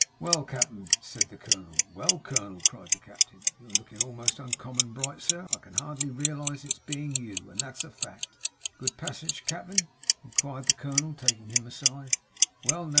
'Well cap'en!' said the colonel. 'Well colonel,' cried the captain. 'You're looking most uncommon bright, sir. I can hardly realise its being you, and that's a fact.' 'A good passage, cap'en?' inquired the colonel, taking him aside, 'Well now!